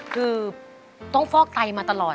คือต้องฟอกไตมาตลอด